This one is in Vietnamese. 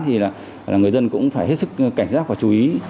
thì người dân cũng phải hết sức cảnh giác và chú ý